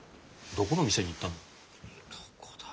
どこの店に行ったんだ？